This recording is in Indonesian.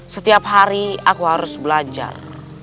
setiap hari aku harus belajar